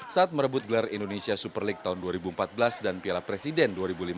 saat merebut gelar indonesia super league tahun dua ribu empat belas dan piala presiden dua ribu lima belas